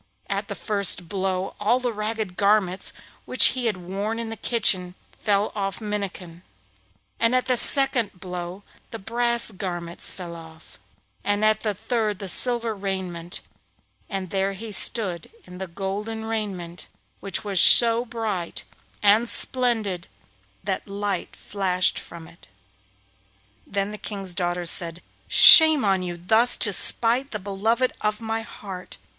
At the first blow all the ragged garments which he had worn in the kitchen fell from off Minnikin, at the second blow the brass garments fell off, and at the third the silver raiment, and there he stood in the golden raiment, which was so bright and splendid that light flashed from it. Then the King's daughter said: 'Shame on you thus to smite the beloved of my heart.